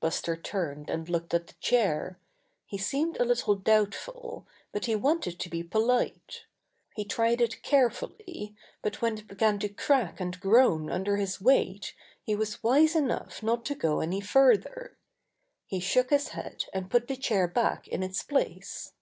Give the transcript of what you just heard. Buster turned and looked at the chair. He seemed a little doubtful, but he wanted to be polite. He tried it carefully, but when it be gan to crack and groan under his weight he was wise enough not to go any further. He shook his head, and put the chair back in its place.